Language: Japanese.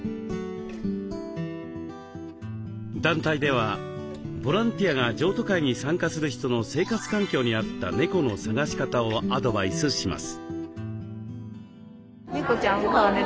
団体ではボランティアが譲渡会に参加する人の生活環境に合った猫の探し方をアドバイスします。